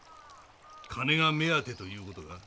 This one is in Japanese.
金が目当てという事か？